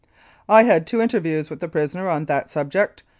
I had two interviews with the prisoner on that sub ject.